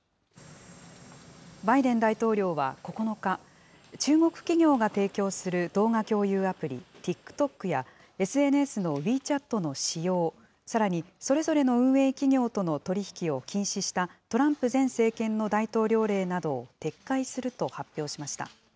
バイデン大統領は９日、中国企業が提供する動画共有アプリ、ＴｉｋＴｏｋや、ＳＮＳのウィーチャットの使用、さらにそれぞれの運営企業との取り引きを禁止したトランプ前政権の大統領令などを撤回すると発表しました。